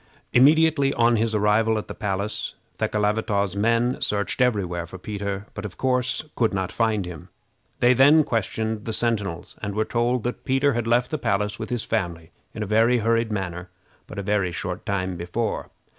[Illustration: The escape.] Immediately on his arrival at the palace, Thekelavitaw's men searched every where for Peter, but of course could not find him. They then questioned the sentinels, and were told that Peter had left the palace with his family in a very hurried manner but a very short time before.